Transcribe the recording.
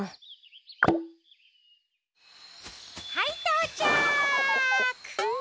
はいとうちゃく！